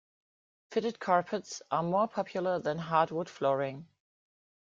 Fitted carpets are more popular than hardwood flooring